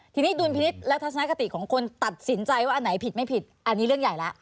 ทีนี้ดุลพินิษฐ์และทัศนคติของคนตัดสินใจว่าอันไหนผิดไม่ผิดอันนี้เรื่องใหญ่แล้ว